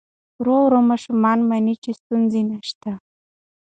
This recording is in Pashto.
ورو ورو ماشوم مني چې ستونزه نشته.